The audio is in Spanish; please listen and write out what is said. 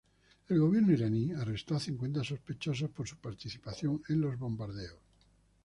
El gobierno iraní arrestó a cincuenta sospechosos por su participación en los bombardeos.